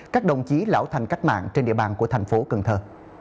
các đồng chí lão thanh cách mạng trên địa bàn của tp cần thơ